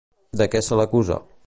De què se l'acusa?